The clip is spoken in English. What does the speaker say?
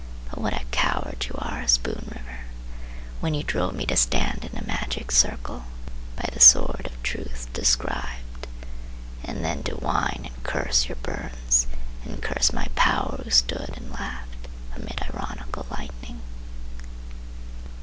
But what a coward you are, Spoon River, When you drove me to stand in a magic circle By the sword of Truth described! And then to whine and curse your burns, And curse my power who stood and laughed Amid ironical lightning!